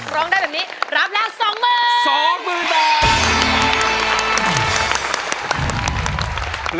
ร้องได้แบบนี้รับแล้วสองมือสองมือแปลง